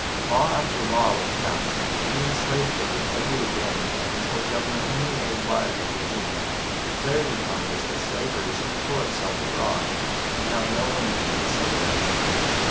Law after law was passed, giving the slave holders every advantage, until Governor Henry A. Wise, of Virginia, declared in Congress that slavery should pour itself abroad, and have no limit but the Southern Ocean.